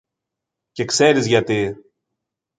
Και ξέρεις γιατί